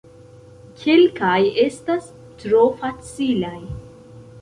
Kelkaj estas tro facilaj.